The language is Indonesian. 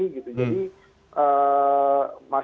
jadi masyarakat juga bisa mendengarkan